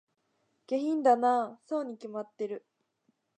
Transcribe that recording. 下品だなぁ、そうに決まってる